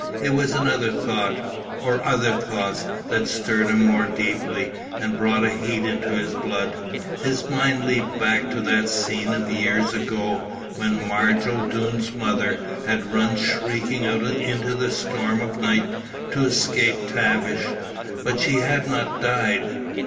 It was another thought or other thoughts that stirred him more deeply, and brought a heat into his blood. His mind leaped back to that scene of years ago, when Marge O'Doone's mother had run shrieking out in the storm of night to escape Tavish. _But she had not died!